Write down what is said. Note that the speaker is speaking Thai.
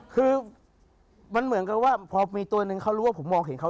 คือมันเหมือนกับว่าพอมีตัวหนึ่งเขารู้ว่าผมมองเห็นเขา